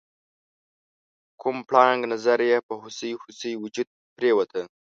کوم پړانګ نظر یې په هوسۍ هوسۍ وجود پریوته؟